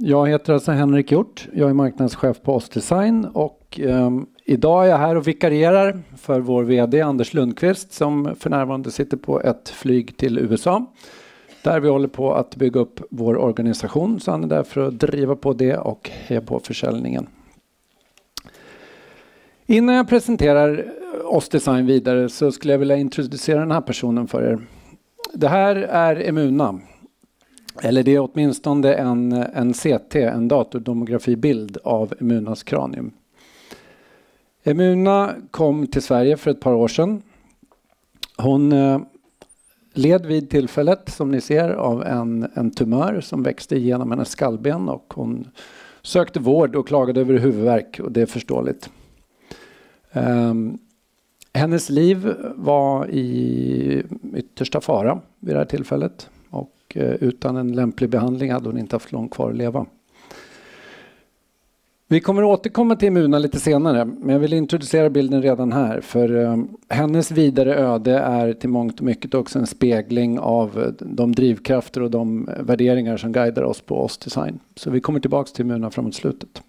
Jag heter alltså Henrik Hjorth, jag är marknadschef på OsDesign, och idag är jag här och vikarierar för vår VD Anders Lundqvist, som för närvarande sitter på ett flyg till USA, där vi håller på att bygga upp vår organisation. Så han är där för att driva på det och heja på försäljningen. Innan jag presenterar OsDesign vidare så skulle jag vilja introducera den här personen. Det här är Emuna, eller det är åtminstone en CT, en datortomografibild av Emunas kranium. Emuna kom till Sverige för ett par år sedan. Hon led vid tillfället, som ni ser, av en tumör som växte igenom hennes skallben, och hon sökte vård och klagade över huvudvärk, och det är förståeligt. Hennes liv var i yttersta fara vid det här tillfället, och utan en lämplig behandling hade hon inte haft långt kvar att leva. Vi kommer att återkomma till Emuna lite senare, men jag vill introducera bilden redan här, för hennes vidare öde är till mångt och mycket också en spegling av de drivkrafter och de värderingar som guidar oss på OsDesign. Så vi kommer tillbaka till Emuna framåt slutet.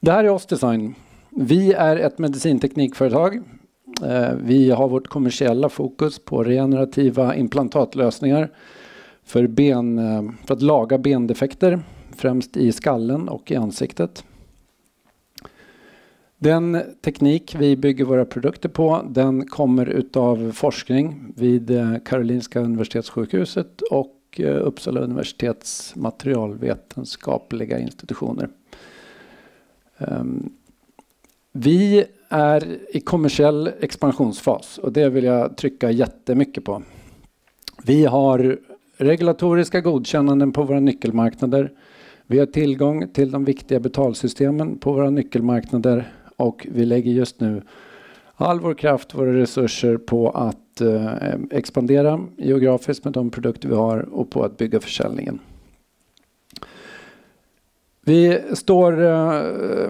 Det här är OsDesign. Vi är ett medicinteknikföretag. Vi har vårt kommersiella fokus på regenerativa implantatlösningar för att laga bendefekter, främst i skallen och i ansiktet. Den teknik vi bygger våra produkter på kommer av forskning vid Karolinska Universitetssjukhuset och Uppsala Universitets materialvetenskapliga institutioner. Vi är i kommersiell expansionsfas, och det vill jag trycka jättemycket på. Vi har regulatoriska godkännanden på våra nyckelmarknader. Vi har tillgång till de viktiga betalsystemen på våra nyckelmarknader, och vi lägger just nu all vår kraft, våra resurser på att expandera geografiskt med de produkter vi har och på att bygga försäljningen. Vi står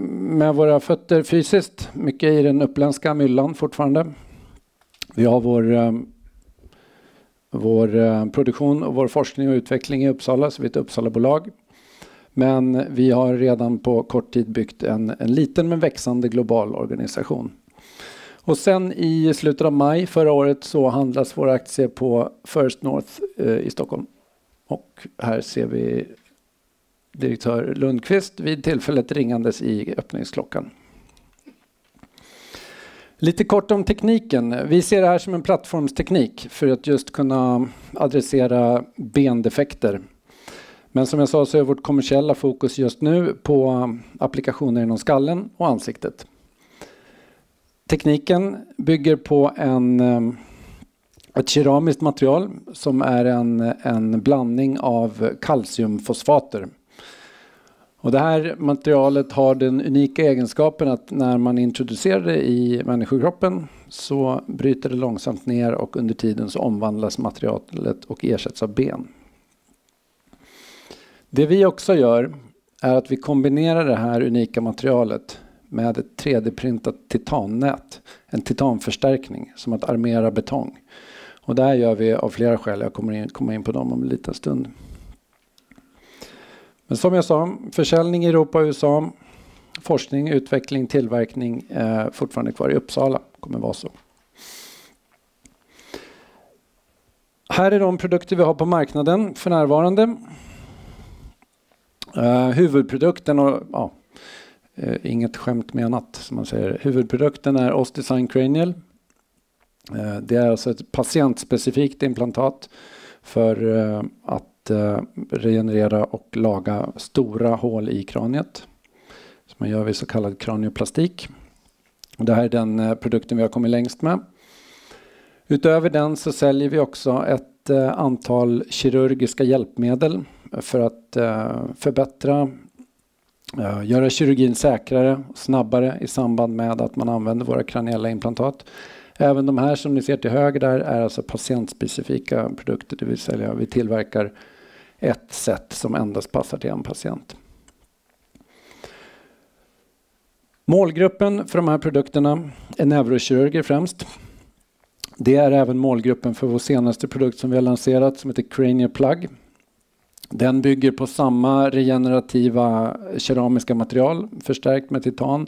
med våra fötter fysiskt mycket i den uppländska myllan fortfarande. Vi har vår produktion och vår forskning och utveckling i Uppsala, så vi är ett Uppsalabolag. Men vi har redan på kort tid byggt en liten men växande global organisation. Sedan i slutet av maj förra året så handlas våra aktier på First North i Stockholm. Här ser vi direktör Lundqvist vid tillfället ringande i öppningsklockan. Lite kort om tekniken. Vi ser det här som en plattformsteknik för att just kunna adressera bendefekter. Men som jag sa så är vårt kommersiella fokus just nu på applikationer inom skallen och ansiktet. Tekniken bygger på ett keramiskt material som är en blandning av kalciumfosfater. Det här materialet har den unika egenskapen att när man introducerar det i människokroppen så bryter det långsamt ner, och under tiden så omvandlas materialet och ersätts av ben. Det vi också gör är att vi kombinerar det här unika materialet med ett 3D-printat titannät, en titanförstärkning som att armera betong. Och det här gör vi av flera skäl. Jag kommer att komma in på dem om en liten stund. Men som jag sa, försäljning i Europa och USA, forskning, utveckling, tillverkning är fortfarande kvar i Uppsala, kommer att vara så. Här är de produkter vi har på marknaden för närvarande. Huvudprodukten, och ja, inget skämt menat, som man säger. Huvudprodukten är OsDesign Cranial. Det är alltså ett patientspecifikt implantat för att regenerera och laga stora hål i kraniet. Så man gör vid så kallad kranioplastik. Och det här är den produkten vi har kommit längst med. Utöver den så säljer vi också ett antal kirurgiska hjälpmedel för att förbättra, göra kirurgin säkrare och snabbare i samband med att man använder våra kraniella implantat. Även de här som ni ser till höger där är alltså patientspecifika produkter, det vill säga vi tillverkar ett set som endast passar till en patient. Målgruppen för de här produkterna är neurokirurger främst. Det är även målgruppen för vår senaste produkt som vi har lanserat, som heter Cranial Plug. Den bygger på samma regenerativa keramiska material, förstärkt med titan.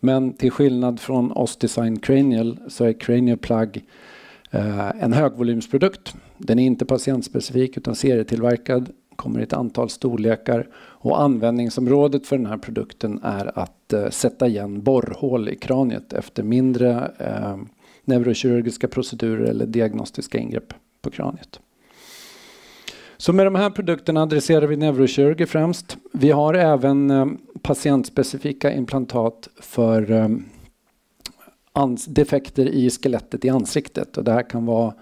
Men till skillnad från OsDesign Cranial så är Cranial Plug en högvolymsprodukt. Den är inte patientspecifik utan serietillverkad, kommer i ett antal storlekar, och användningsområdet för den här produkten är att sätta igen borrhål i kraniet efter mindre neurokirurgiska procedurer eller diagnostiska ingrepp på kraniet. Så med de här produkterna adresserar vi neurokirurger främst. Vi har även patientspecifika implantat för defekter i skelettet i ansiktet, och det här kan vara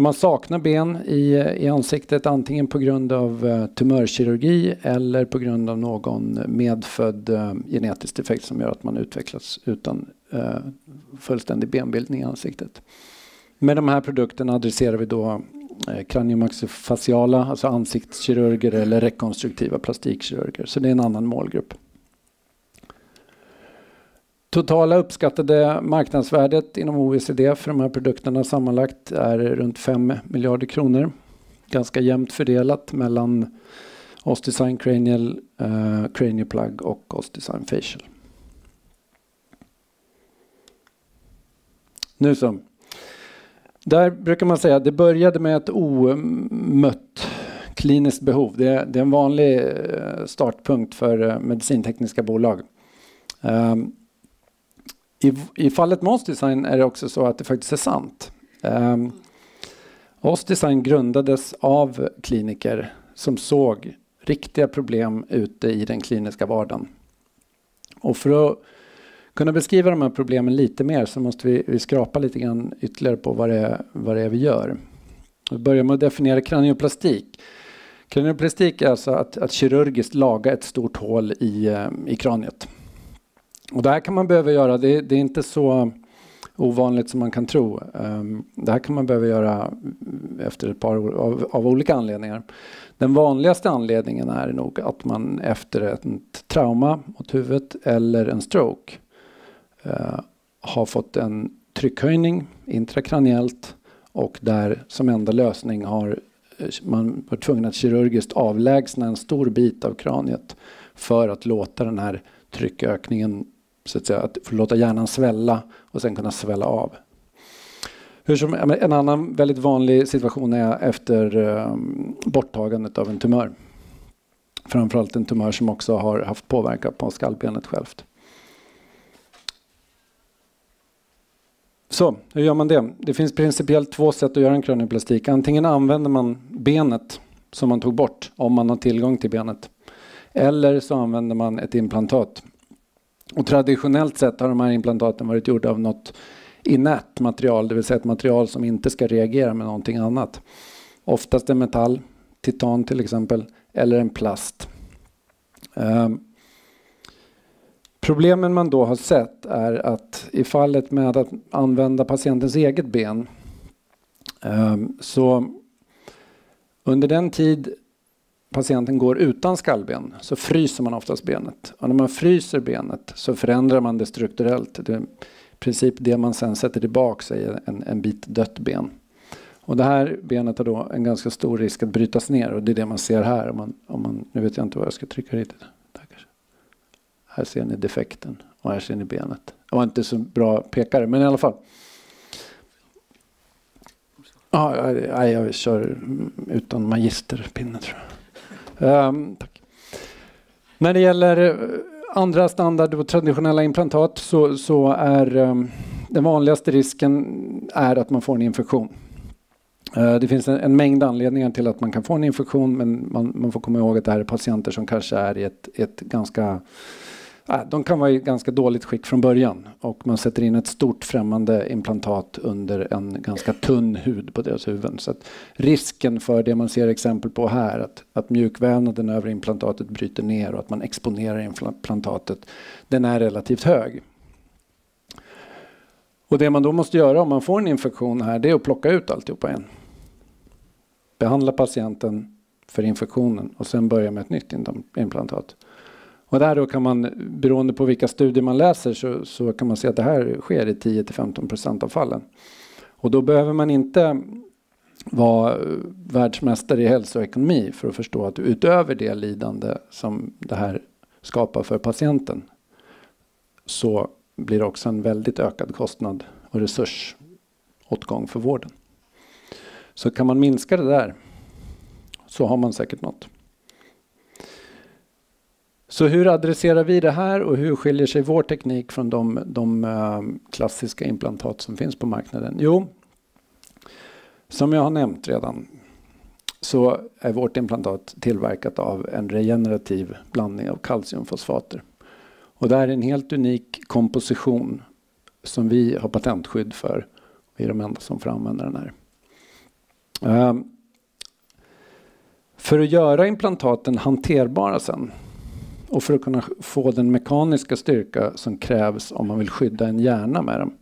när man saknar ben i ansiktet, antingen på grund av tumörkirurgi eller på grund av någon medfödd genetisk defekt som gör att man utvecklas utan fullständig benbildning i ansiktet. Med de här produkterna adresserar vi då kranio-maxifasciala, alltså ansiktskirurger eller rekonstruktiva plastikkirurger, så det är en annan målgrupp. Totala uppskattade marknadsvärdet inom OECD för de här produkterna sammanlagt är runt 5 miljarder kronor, ganska jämnt fördelat mellan OsDesign Cranial, Cranial Plug och OsDesign Facial. Det brukar man säga att det började med ett omött kliniskt behov. Det är en vanlig startpunkt för medicintekniska bolag. I fallet med OsDesign är det också så att det faktiskt är sant. OsDesign grundades av kliniker som såg riktiga problem ute i den kliniska vardagen. Och för att kunna beskriva de här problemen lite mer så måste vi skrapa lite grann ytterligare på vad det är vi gör. Vi börjar med att definiera kranioplastik. Kranioplastik är alltså att kirurgiskt laga ett stort hål i kraniet. Och det här kan man behöva göra, det är inte så ovanligt som man kan tro. Det här kan man behöva göra efter ett par år av olika anledningar. Den vanligaste anledningen är nog att man efter ett trauma åt huvudet eller en stroke har fått en tryckhöjning intrakraniellt, och där som enda lösning har man varit tvungen att kirurgiskt avlägsna en stor bit av kraniet för att låta den här tryckökningen, så att säga, att få låta hjärnan svälla och sen kunna svälla av. Hur som helst, en annan väldigt vanlig situation är efter borttagandet av en tumör. Framförallt en tumör som också har haft påverkan på skallbenet självt. Hur gör man det? Det finns principiellt två sätt att göra en kranioplastik. Antingen använder man benet som man tog bort, om man har tillgång till benet, eller använder man ett implantat. Traditionellt sett har de här implantaten varit gjorda av något inert material, det vill säga ett material som inte ska reagera med någonting annat. Oftast är det metall, titan till exempel, eller en plast. Problemen man då har sett är att i fallet med att använda patientens eget ben, under den tid patienten går utan skallben, fryser man oftast benet. När man fryser benet förändrar man det strukturellt. Det är i princip det man sen sätter tillbaka i en bit dött ben. Det här benet har då en ganska stor risk att brytas ner, och det är det man ser här. Om man, nu vet jag inte vad jag ska trycka riktigt. Där kanske. Här ser ni defekten, och här ser ni benet. Jag var inte så bra pekare, men i alla fall. Ja, jag kör utan magisterpinne, tror jag. Tack. När det gäller andra standard och traditionella implantat så är den vanligaste risken att man får en infektion. Det finns en mängd anledningar till att man kan få en infektion, men man får komma ihåg att det här är patienter som kanske är i ett ganska, de kan vara i ganska dåligt skick från början, och man sätter in ett stort främmande implantat under en ganska tunn hud på deras huvud. Så att risken för det man ser exempel på här, att mjukvävnaden över implantatet bryter ner och att man exponerar implantatet, den är relativt hög. Och det man då måste göra om man får en infektion här, det är att plocka ut alltihopa igen. Behandla patienten för infektionen och sen börja med ett nytt implantat. Där då kan man, beroende på vilka studier man läser, så kan man se att det här sker i 10-15% av fallen. Då behöver man inte vara världsmästare i hälsoekonomi för att förstå att utöver det lidande som det här skapar för patienten, så blir det också en väldigt ökad kostnad och resursåtgång för vården. Kan man minska det där, så har man säkert något. Hur adresserar vi det här och hur skiljer sig vår teknik från de klassiska implantat som finns på marknaden? Som jag har nämnt redan, så är vårt implantat tillverkat av en regenerativ blandning av kalciumfosfater. Och det här är en helt unik komposition som vi har patentskydd för, och vi är de enda som får använda den här. För att göra implantaten hanterbara sen, och för att kunna få den mekaniska styrka som krävs om man vill skydda en hjärna med dem,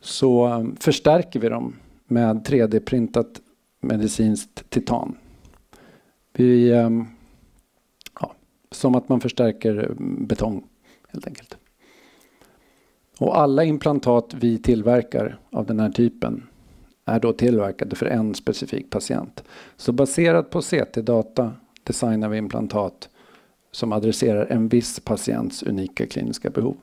så förstärker vi dem med 3D-printat medicinskt titan. Som att man förstärker betong, helt enkelt. Och alla implantat vi tillverkar av den här typen är då tillverkade för en specifik patient. Så baserat på CT-data designar vi implantat som adresserar en viss patients unika kliniska behov.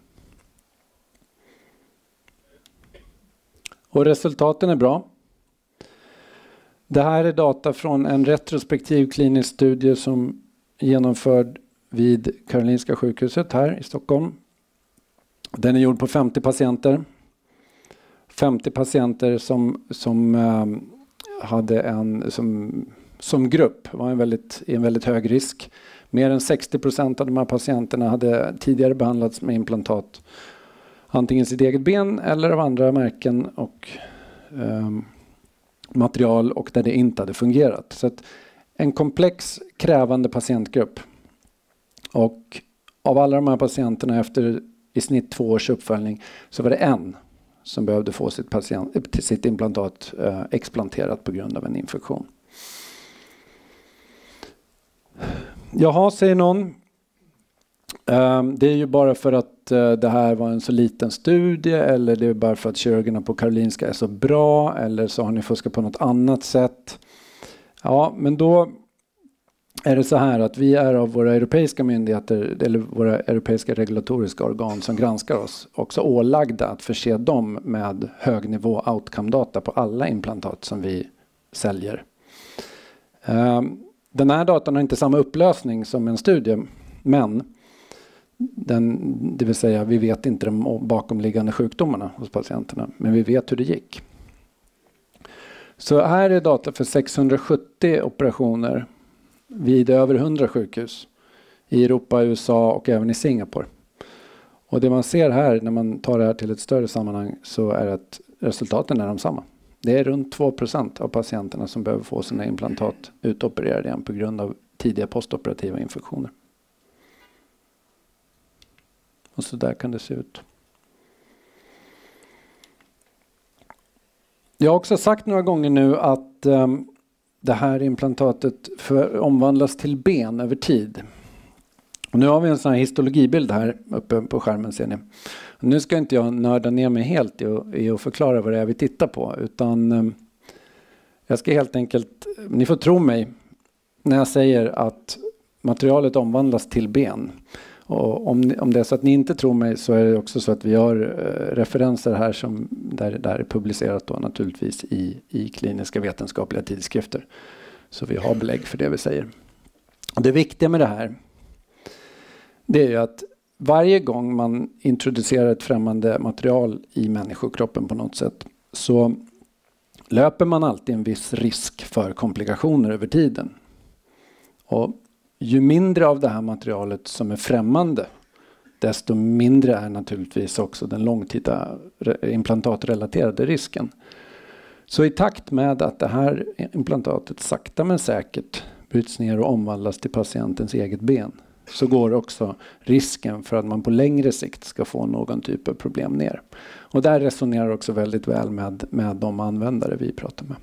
Och resultaten är bra. Det här är data från en retrospektiv klinisk studie som genomförts vid Karolinska sjukhuset här i Stockholm. Den är gjord på 50 patienter. 50 patienter som som hade en, som som grupp var en väldigt, i en väldigt hög risk. Mer än 60% av de här patienterna hade tidigare behandlats med implantat. Antingen sitt eget ben eller av andra märken och material, och där det inte hade fungerat. Så att en komplex, krävande patientgrupp. Av alla de här patienterna, efter i snitt två års uppföljning, så var det en som behövde få sitt implantat explanterat på grund av en infektion. Jaha, säger någon. Det är ju bara för att det här var en så liten studie, eller det är bara för att kirurgerna på Karolinska är så bra, eller så har ni fuskat på något annat sätt. Men då är det så här att vi är av våra europeiska myndigheter, eller våra europeiska regulatoriska organ som granskar oss, också ålagda att förse dem med högnivå outcome data på alla implantat som vi säljer. Den här datan har inte samma upplösning som en studie, men den, det vill säga vi vet inte de bakomliggande sjukdomarna hos patienterna, men vi vet hur det gick. Så här är data för 670 operationer vid över 100 sjukhus i Europa, USA och även i Singapore. Det man ser här, när man tar det här till ett större sammanhang, så är att resultaten är de samma. Det är runt 2% av patienterna som behöver få sina implantat utopererade igen på grund av tidiga postoperativa infektioner. Så där kan det se ut. Jag har också sagt några gånger nu att det här implantatet omvandlas till ben över tid. Nu har vi en sådan här histologibild här uppe på skärmen, ser ni. Nu ska inte jag nörda ner mig helt i att förklara vad det är vi tittar på, utan jag ska helt enkelt, ni får tro mig när jag säger att materialet omvandlas till ben. Om det är så att ni inte tror mig, så är det också så att vi har referenser här som där det är publicerat då, naturligtvis i kliniska vetenskapliga tidskrifter. Så vi har belägg för det vi säger. Det viktiga med det här, det är ju att varje gång man introducerar ett främmande material i människokroppen på något sätt, så löper man alltid en viss risk för komplikationer över tiden. Ju mindre av det här materialet som är främmande, desto mindre är naturligtvis också den långtida implantatrelaterade risken. I takt med att det här implantatet sakta men säkert bryts ner och omvandlas till patientens eget ben, går också risken för att man på längre sikt ska få någon typ av problem ner. Det här resonerar också väldigt väl med de användare vi pratar med.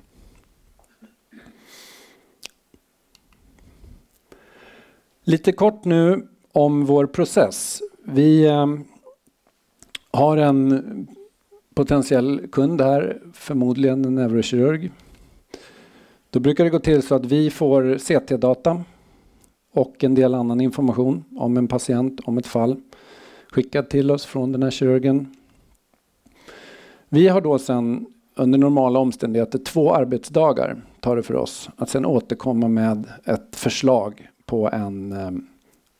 Lite kort nu om vår process. Vi har en potentiell kund här, förmodligen en neurokirurg. Då brukar det gå till så att vi får CT-data och en del annan information om en patient, om ett fall, skickad till oss från den här kirurgen. Vi har då sen, under normala omständigheter, två arbetsdagar tar det för oss att återkomma med ett förslag på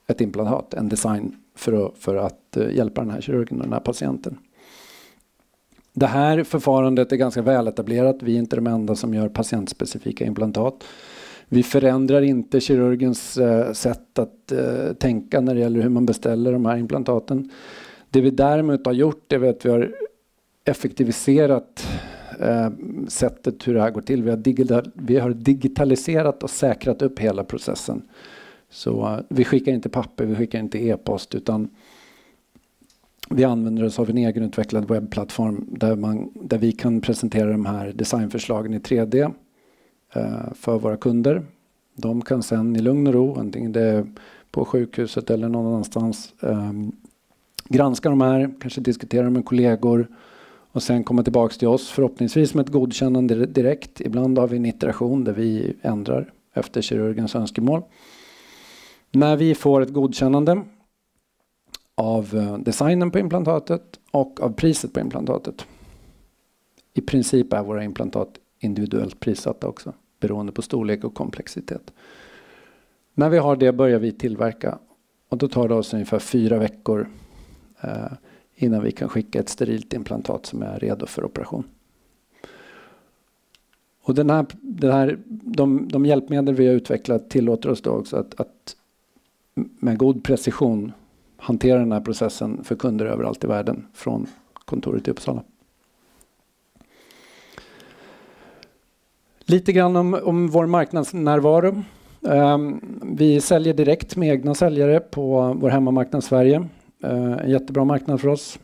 ett implantat, en design för att hjälpa den här kirurgen och den här patienten. Det här förfarandet är ganska väletablerat. Vi är inte de enda som gör patientspecifika implantat. Vi förändrar inte kirurgens sätt att tänka när det gäller hur man beställer de här implantaten. Det vi däremot har gjort, det är att vi har effektiviserat sättet hur det här går till. Vi har digitaliserat och säkrat upp hela processen. Så vi skickar inte papper, vi skickar inte e-post, utan vi använder oss av en egenutvecklad webbplattform där vi kan presentera de här designförslagen i 3D för våra kunder. De kan sen i lugn och ro, antingen det är på sjukhuset eller någon annanstans, granska de här, kanske diskutera med kollegor och sen komma tillbaka till oss, förhoppningsvis med ett godkännande direkt. Ibland har vi en iteration där vi ändrar efter kirurgens önskemål. När vi får ett godkännande av designen på implantatet och av priset på implantatet. I princip är våra implantat individuellt prissatta också, beroende på storlek och komplexitet. När vi har det börjar vi tillverka, och då tar det oss ungefär fyra veckor innan vi kan skicka ett sterilt implantat som är redo för operation. Och de hjälpmedel vi har utvecklat tillåter oss då också att med god precision hantera den här processen för kunder överallt i världen, från kontoret i Uppsala. Lite grann om vår marknadsnärvaro. Vi säljer direkt med egna säljare på vår hemmamarknad Sverige, en jättebra marknad för oss.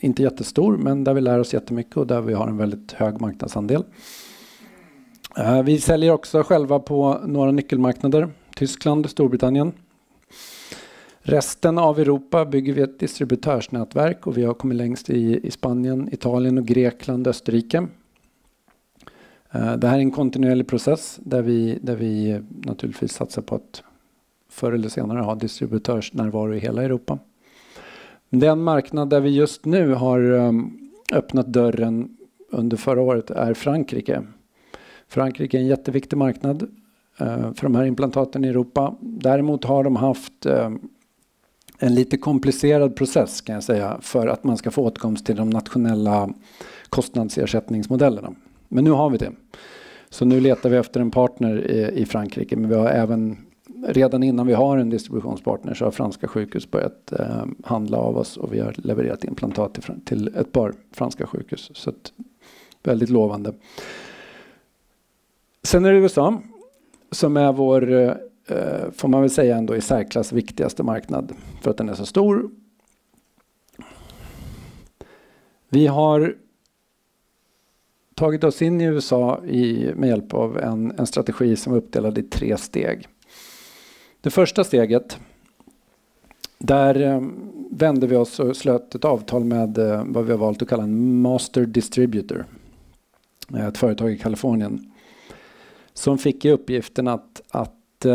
Inte jättestor, men där vi lär oss jättemycket och där vi har en väldigt hög marknadsandel. Vi säljer också själva på några nyckelmarknader, Tyskland, Storbritannien. Resten av Europa bygger vi ett distributörsnätverk, och vi har kommit längst i Spanien, Italien och Grekland, Österrike. Det här är en kontinuerlig process där vi naturligtvis satsar på att förr eller senare ha distributörsnärvaro i hela Europa. Men den marknad där vi just nu har öppnat dörren under förra året är Frankrike. Frankrike är en jätteviktig marknad för de här implantaten i Europa. Däremot har de haft en lite komplicerad process, kan jag säga, för att man ska få åtkomst till de nationella kostnadsersättningsmodellerna. Men nu har vi det. Så nu letar vi efter en partner i Frankrike, men vi har även, redan innan vi har en distributionspartner, så har franska sjukhus börjat handla av oss, och vi har levererat implantat till ett par franska sjukhus. Så att väldigt lovande. Sen är det USA, som är vår, får man väl säga ändå, i särklass viktigaste marknad, för att den är så stor. Vi har tagit oss in i USA med hjälp av en strategi som är uppdelad i tre steg. Det första steget, där vände vi oss och slöt ett avtal med vad vi har valt att kalla en Master Distributor. Ett företag i Kalifornien, som fick i uppgiften att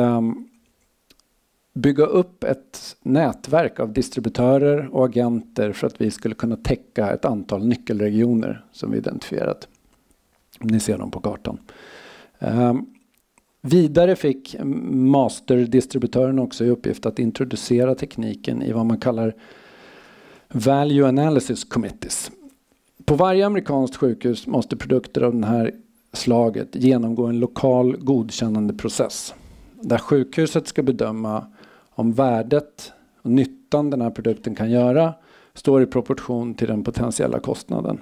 bygga upp ett nätverk av distributörer och agenter för att vi skulle kunna täcka ett antal nyckelregioner som vi identifierat. Ni ser dem på kartan. Vidare fick Master Distributören också i uppgift att introducera tekniken i vad man kallar Value Analysis Committees. På varje amerikanskt sjukhus måste produkter av den här slaget genomgå en lokal godkännandeprocess, där sjukhuset ska bedöma om värdet och nyttan den här produkten kan göra står i proportion till den potentiella kostnaden.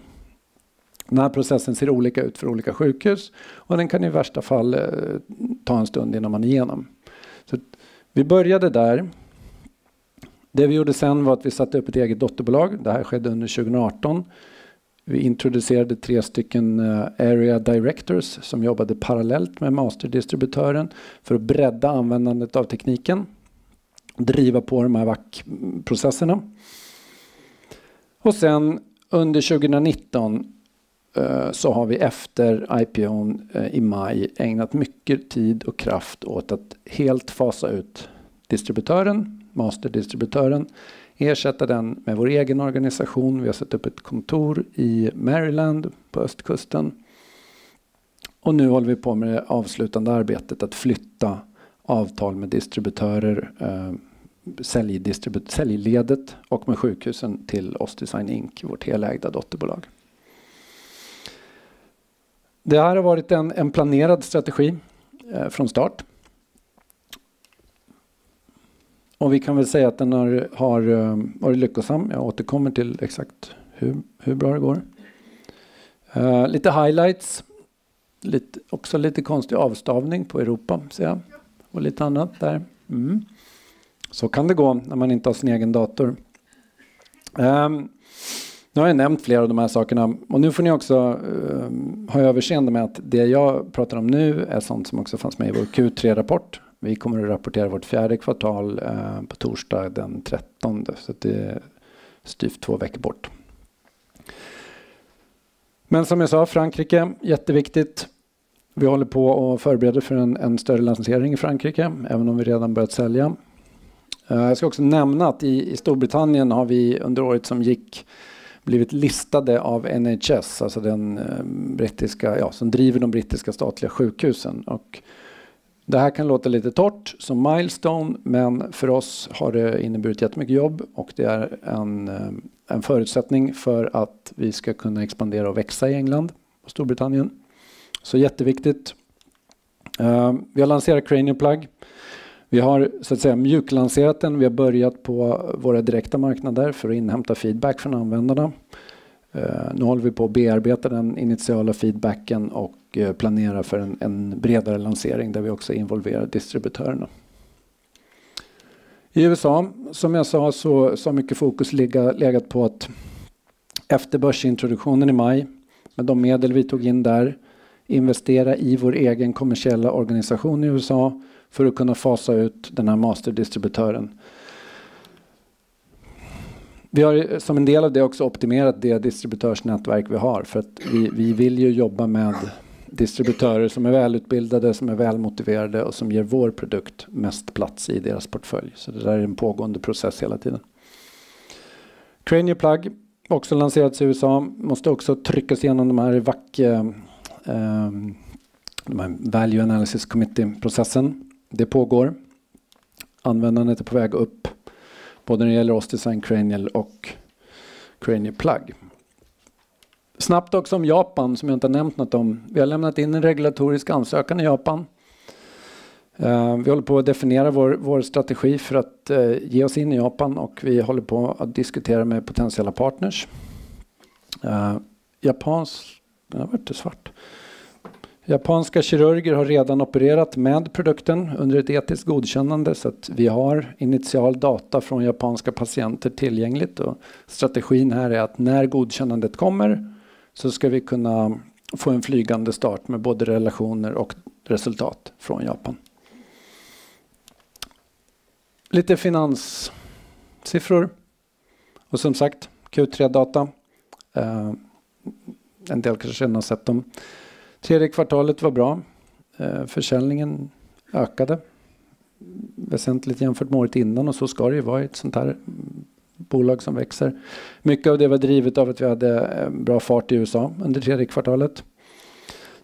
Den här processen ser olika ut för olika sjukhus, och den kan i värsta fall ta en stund innan man är igenom. Så vi började där. Det vi gjorde sen var att vi satte upp ett eget dotterbolag. Det här skedde under 2018. Vi introducerade tre stycken Area Directors som jobbade parallellt med Master Distributören för att bredda användandet av tekniken och driva på de här VAC-processerna. Sen under 2019 så har vi efter IPO:n i maj ägnat mycket tid och kraft åt att helt fasa ut distributören, Master Distributören, ersätta den med vår egen organisation. Vi har satt upp ett kontor i Maryland på östkusten. Nu håller vi på med det avslutande arbetet att flytta avtal med distributörer, säljledet och med sjukhusen till OsDesign Inc., vårt helägda dotterbolag. Det här har varit en planerad strategi från start. Vi kan väl säga att den har varit lyckosam. Jag återkommer till exakt hur bra det går. Lite highlights. Lite också lite konstig avstavning på Europa, ser jag. Lite annat där. Det kan gå så när man inte har sin egen dator. Nu har jag nämnt flera av de här sakerna. Och nu får ni också ha överseende med att det jag pratar om nu är sånt som också fanns med i vår Q3-rapport. Vi kommer att rapportera vårt fjärde kvartal på torsdag den 13:e. Så det är knappt två veckor bort. Men som jag sa, Frankrike, jätteviktigt. Vi håller på att förbereda för en större lansering i Frankrike, även om vi redan börjat sälja. Jag ska också nämna att i Storbritannien har vi under året som gått blivit listade av NHS, alltså den brittiska som driver de brittiska statliga sjukhusen. Det här kan låta lite torrt som milestone, men för oss har det inneburit jättemycket jobb och det är en förutsättning för att vi ska kunna expandera och växa i England och Storbritannien. Så jätteviktigt. Vi har lanserat Cranial Plug. Vi har så att säga mjuklanserat den. Vi har börjat på våra direkta marknader för att inhämta feedback från användarna. Nu håller vi på att bearbeta den initiala feedbacken och planerar för en bredare lansering där vi också involverar distributörerna. I USA, som jag sa, så har mycket fokus legat på att efter börsintroduktionen i maj, med de medel vi tog in där, investera i vår egen kommersiella organisation i USA för att kunna fasa ut den här Master Distributören. Vi har som en del av det också optimerat det distributörsnätverk vi har, för att vi vill ju jobba med distributörer som är välutbildade, som är välmotiverade och som ger vår produkt mest plats i deras portfölj. Så det där är en pågående process hela tiden. Cranial Plug, också lanserats i USA, måste också tryckas igenom de här VAC, de här Value Analysis Committee-processen. Det pågår. Användandet är på väg upp, både när det gäller OsDesign Cranial och Cranial Plug. Snabbt också om Japan, som jag inte har nämnt något om. Vi har lämnat in en regulatorisk ansökan i Japan. Vi håller på att definiera vår strategi för att ge oss in i Japan och vi håller på att diskutera med potentiella partners. Japan har varit i svart. Japanska kirurger har redan opererat med produkten under ett etiskt godkännande, så att vi har initial data från japanska patienter tillgängligt. Strategin här är att när godkännandet kommer så ska vi kunna få en flygande start med både relationer och resultat från Japan. Lite finanssiffror. Som sagt, Q3-data. En del kanske redan har sett dem. Tredje kvartalet var bra. Försäljningen ökade väsentligt jämfört med året innan, och så ska det ju vara i ett sånt här bolag som växer. Mycket av det var drivet av att vi hade en bra fart i USA under tredje kvartalet.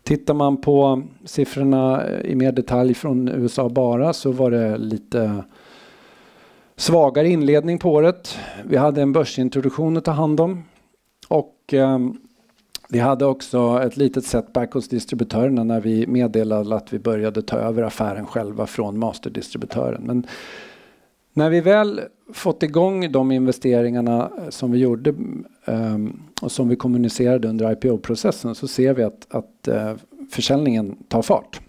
Tittar man på siffrorna i mer detalj från USA bara så var det lite svagare inledning på året. Vi hade en börsintroduktion att ta hand om. Vi hade också ett litet setback hos distributörerna när vi meddelade att vi började ta över affären själva från Master Distributören. Men när vi väl fått igång de investeringarna som vi gjorde och som vi kommunicerade under IPO-processen så ser vi att försäljningen tar fart.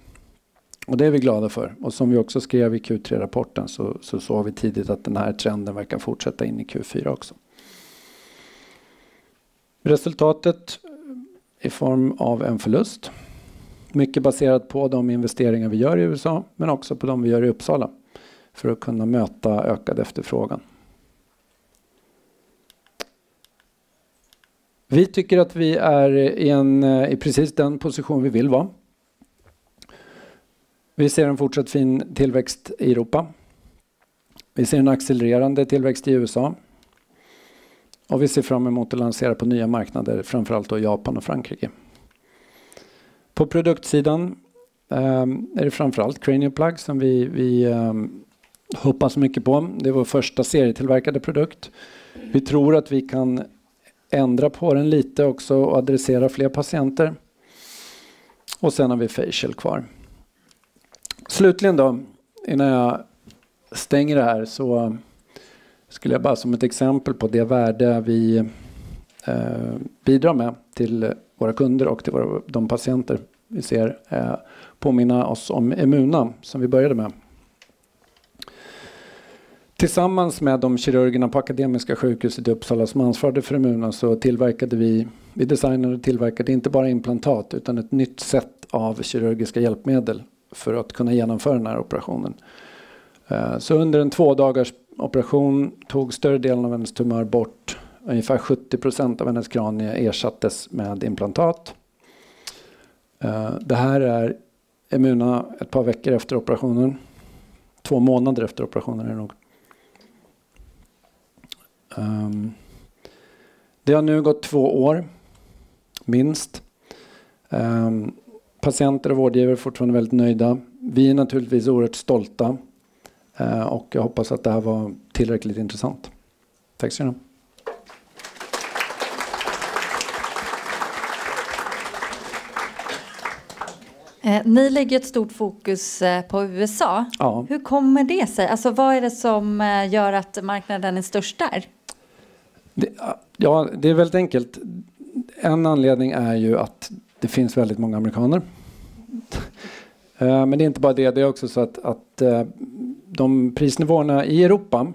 Det är vi glada för. Som vi också skrev i Q3-rapporten så såg vi tidigt att den här trenden verkar fortsätta in i Q4 också. Resultatet i form av en förlust. Mycket baserat på de investeringar vi gör i USA, men också på de vi gör i Uppsala för att kunna möta ökad efterfrågan. Vi tycker att vi är i precis den position vi vill vara. Vi ser en fortsatt fin tillväxt i Europa. Vi ser en accelererande tillväxt i USA. Vi ser fram emot att lansera på nya marknader, framförallt då Japan och Frankrike. På produktsidan är det framförallt Cranial Plug som vi hoppas mycket på. Det är vår första serietillverkade produkt. Vi tror att vi kan ändra på den lite också och adressera fler patienter. Sen har vi Facial kvar. Slutligen då, innan jag stänger det här så skulle jag bara som ett exempel på det värde vi bidrar med till våra kunder och till våra de patienter vi ser påminna oss om Emuna som vi började med. Tillsammans med de kirurgerna på Akademiska sjukhuset i Uppsala som ansvarade för Emuna så tillverkade vi, vi designade och tillverkade inte bara implantat utan ett nytt sätt av kirurgiska hjälpmedel för att kunna genomföra den här operationen. Så under en tvådagars operation tog större delen av hennes tumör bort. Ungefär 70% av hennes kranie ersattes med implantat. Det här är Emuna ett par veckor efter operationen. Två månader efter operationen är det nog. Det har nu gått två år, minst. Patienter och vårdgivare är fortfarande väldigt nöjda. Vi är naturligtvis oerhört stolta och jag hoppas att det här var tillräckligt intressant. Tack så mycket. Ni lägger ett stort fokus på USA. Hur kommer det sig? Vad är det som gör att marknaden är störst där? Ja, det är väldigt enkelt. En anledning är ju att det finns väldigt många amerikaner. Men det är inte bara det. Det är också så att de prisnivåerna i Europa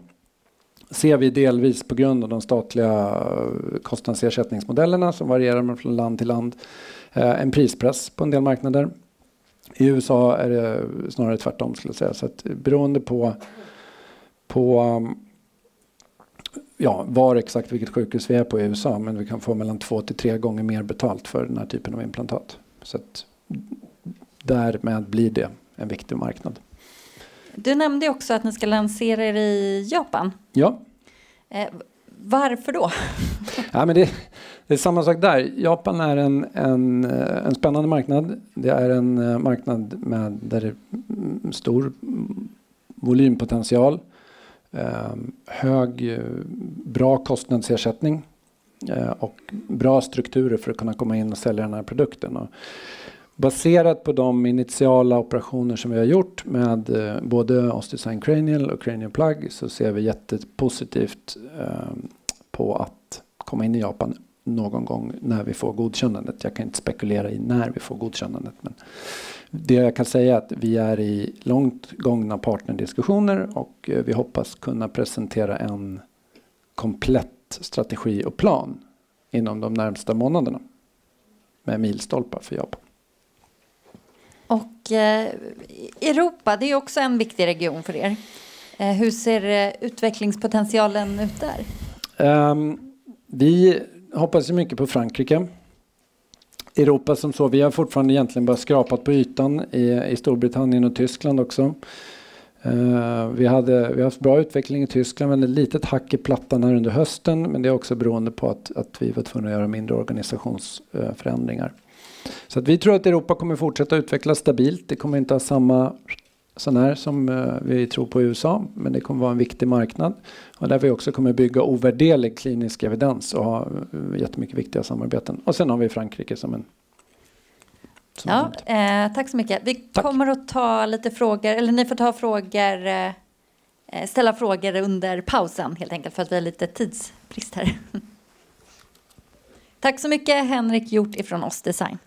ser vi delvis på grund av de statliga kostnadsersättningsmodellerna som varierar från land till land. En prispress på en del marknader. I USA är det snarare tvärtom, skulle jag säga. Så att beroende på var exakt vilket sjukhus vi är på i USA, men vi kan få mellan två till tre gånger mer betalt för den här typen av implantat. Så att därmed blir det en viktig marknad. Du nämnde ju också att ni ska lansera i Japan. Ja. Varför då? Nej, men det är samma sak där. Japan är en spännande marknad. Det är en marknad med där det är stor volympotential. Hög, bra kostnadsersättning och bra strukturer för att kunna komma in och sälja den här produkten. Baserat på de initiala operationerna som vi har gjort med både OsDesign Cranial och Cranial Plug så ser vi jättepositivt på att komma in i Japan någon gång när vi får godkännandet. Jag kan inte spekulera i när vi får godkännandet, men det jag kan säga är att vi är i långt gångna partnerdiskussioner och vi hoppas kunna presentera en komplett strategi och plan inom de närmaste månaderna med milstolpar för Japan. Europa, det är ju också en viktig region för oss. Hur ser utvecklingspotentialen ut där? Vi hoppas ju mycket på Frankrike. Europa som så, vi har fortfarande egentligen bara skrapat på ytan i Storbritannien och Tyskland också. Vi hade bra utveckling i Tyskland, men ett litet hack i plattan här under hösten, men det är också beroende på att vi var tvungna att göra mindre organisationsförändringar. Vi tror att Europa kommer fortsätta utvecklas stabilt. Det kommer inte ha samma sådana här som vi tror på i USA, men det kommer vara en viktig marknad och där vi också kommer att bygga ovärderlig klinisk evidens och ha jättemycket viktiga samarbeten. Och sen har vi Frankrike som en... Ja, tack så mycket. Vi kommer att ta lite frågor, eller ni får ta frågor, ställa frågor under pausen helt enkelt för att vi har lite tidsbrist här. Tack så mycket, Henrik Hjort ifrån OsDesign.